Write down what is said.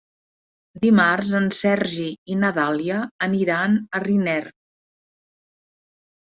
Dimarts en Sergi i na Dàlia aniran a Riner.